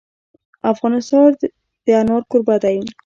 افغانستان د انار کوربه دی.